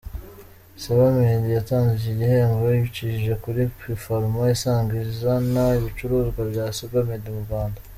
Sebamed yatanze iki gihembo ibicishije muri Kipharma isanzwe izana ibicuruzwa bya Sabamed mu Rwanda.